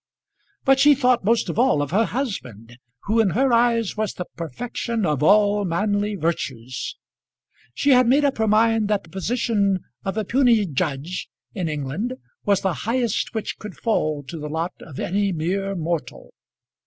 But she thought most of all of her husband, who in her eyes was the perfection of all manly virtues. She had made up her mind that the position of a puisne judge in England was the highest which could fall to the lot of any mere mortal.